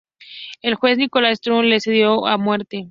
El juez Nicholas Trott le sentenció a muerte.